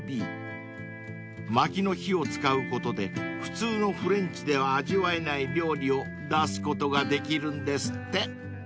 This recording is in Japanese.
［まきの火を使うことで普通のフレンチでは味わえない料理を出すことができるんですって］